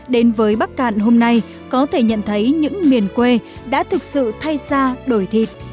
đến với bắc cạn hôm nay có thể nhận thấy những miền quê đã thực sự thay ra đổi thịt